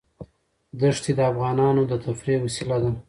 دښتې د افغانانو د تفریح وسیله ده.